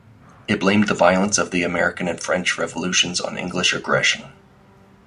It blamed the violence of the American and French revolutions on English aggression.